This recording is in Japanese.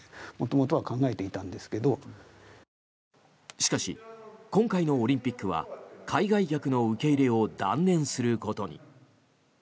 しかし、今回のオリンピックは海外客の受け入れを断念することに。